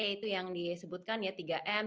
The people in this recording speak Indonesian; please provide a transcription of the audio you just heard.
yaitu yang disebutkan ya tiga m